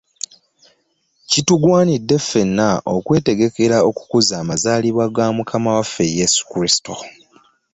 Kitugwaniidde ffena okwetegekera okukuza amazaalibwa ga Mukama waffe Yesu Krisito.